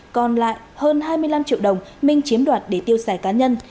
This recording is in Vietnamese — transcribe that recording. còn lại hơn hai mươi năm triệu đồng minh chiếm đoạt để tiêu xài cá nhân